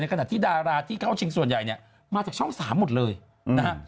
ขณะที่ดาราที่เข้าชิงส่วนใหญ่เนี่ยมาจากช่อง๓หมดเลยนะฮะ